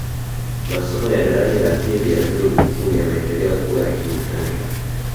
Masomo ya daraja ya pili ya vyuo vikuu yameendelea kuwa ya kiufundi